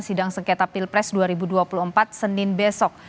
sidang sengketa pilpres dua ribu dua puluh empat senin besok